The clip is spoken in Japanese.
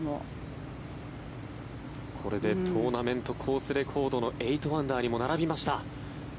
これでトーナメントコースレコードの８アンダーにも並びました。